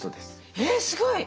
えすごい！